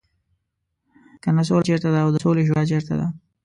کنه سوله چېرته ده او د سولې شورا چېرته ده.